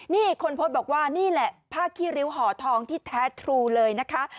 นี่คนโพสต์บอกว่านี่แหละผ้าขี้ริ้วห่อทองที่แท้ทรูเลยนะคะ